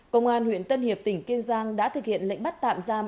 công an huyện tân hiệp tỉnh kiên giang đã thực hiện lệnh bắt tạm giam